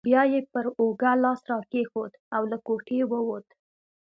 بیا یې پر اوږه لاس راکښېښود او له کوټې ووت.